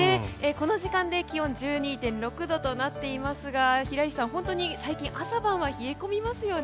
この時間で気温１２．６度となっていますが平石さん、本当に最近朝晩は冷え込みますよね。